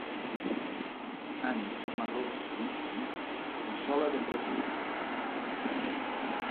Ant marró whisky i sola de crepè.